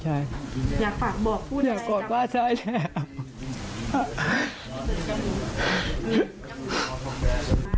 ใช่อยากฝากบอกผู้ใจอยากกอดว่าใช่แล้ว